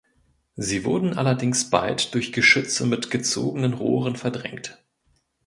Sie wurden allerdings bald durch Geschütze mit gezogenen Rohren verdrängt.